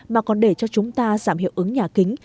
mà còn để cho chúng ta giảm hiệu ứng nhà kính